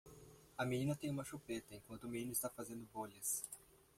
A menina tem uma chupeta enquanto o menino está fazendo bolhas